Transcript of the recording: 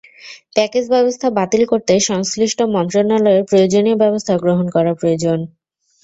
Package ব্যবস্থা বাতিল করতে সংশ্লিষ্ট মন্ত্রণালয়ের প্রয়োজনীয় ব্যবস্থা গ্রহণ করা প্রয়োজন।